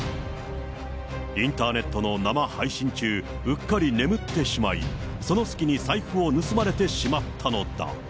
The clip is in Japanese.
インターネットの生配信中、うっかり眠ってしまい、その隙に財布を盗まれてしまったのだ。